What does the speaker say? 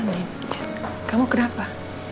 anin kamu kenapa